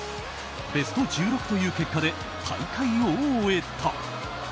ベスト１６という結果で大会を終えた。